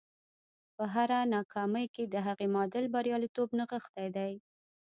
په هره ناکامۍ کې د هغې معادل بریالیتوب نغښتی دی